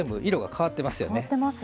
変わってますね。